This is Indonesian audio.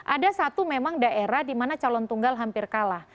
ada satu memang daerah di mana calon tunggal hampir kalah